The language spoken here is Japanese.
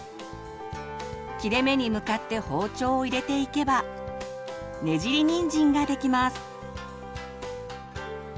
切れ目に向かって包丁を入れていけば「ねじりにんじん」ができます。